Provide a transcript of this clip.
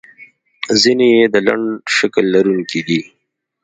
ځینې یې د لنډ شکل لرونکي دي.